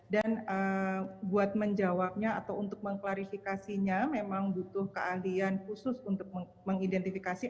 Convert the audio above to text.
dan buat menjawabnya atau untuk mengklarifikasinya memang butuh keahlian khusus untuk mengidentifikasi